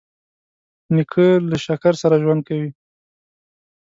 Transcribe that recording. نیکه له شکر سره ژوند کوي.